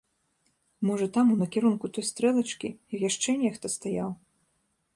Можа, там, у накірунку той стрэлачкі, яшчэ нехта стаяў?